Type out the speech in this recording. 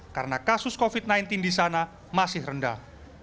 karena kasus covid sembilan belas di sana masih rendah